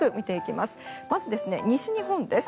まず、西日本です。